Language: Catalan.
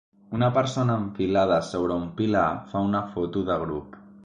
Una persona enfilada sobre un pilar fa una foto de grup.